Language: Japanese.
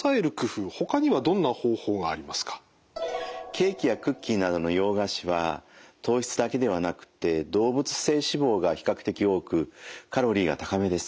ケーキやクッキーなどの洋菓子は糖質だけではなくて動物性脂肪が比較的多くカロリーが高めです。